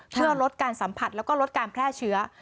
เพื่อลดการสัมผัสแล้วก็ลดการแพร่เชื้อ